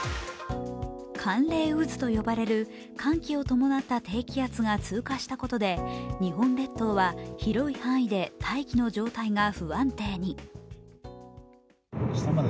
寒冷渦と呼ばれる寒気を伴った低気圧が通過したことで日本列島は広い範囲で大気の状態が不安定に。